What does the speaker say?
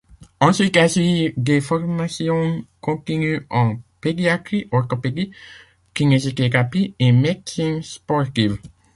Ensuite, elle suit des formations continues en pédiatrie, orthopédie, kinésithérapie et médecine sportive.